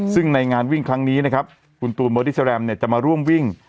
ซึ่งในงานวิ่งครั้งนี้คุณตูนเมอร์ดิสเตอร์แรมจะมาร่วมวิ่ง